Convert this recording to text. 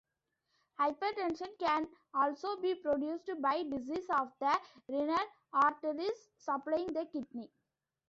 Hypertension can also be produced by diseases of the renal arteries supplying the kidney.